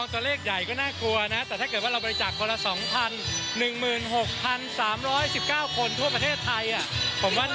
เมื่อตอน